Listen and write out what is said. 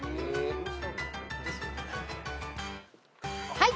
はい。